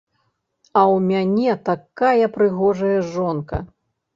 А ў мяне такая прыгожая жонка!